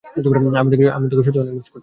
আমি তোকে সত্যিই অনেক মিস করছি।